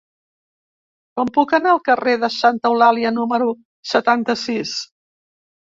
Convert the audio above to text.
Com puc anar al carrer de Santa Eulàlia número setanta-sis?